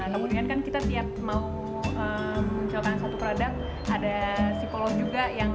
kemudian kan kita tiap mau mencetakkan satu produk ada sipolo juga